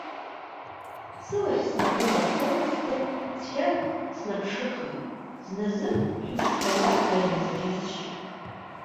Сылахь снапы наԥыраскын, цқьа снаԥшыхит, зназы ҳәысҭа уарбажәыз џьысшьеит.